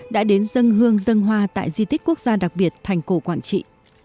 đã đến dân hương dân hoa tại di tích quốc gia đặc biệt thành cổ quảng trị